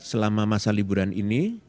selama masa liburan ini